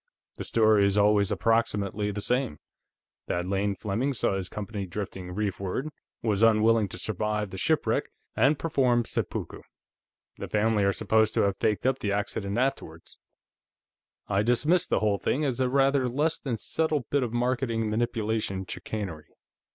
The story is always approximately the same: That Lane Fleming saw his company drifting reefward, was unwilling to survive the shipwreck, and performed seppuku. The family are supposed to have faked up the accident afterward. I dismiss the whole thing as a rather less than subtle bit of market manipulation chicanery."